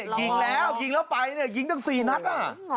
กิ๊งแล้วไปเนี่ยยิงจัง๔นัดอ่ะ